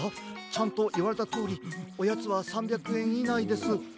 ちゃんといわれたとおりおやつは３００えんいないです。